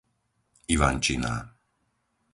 Ivančiná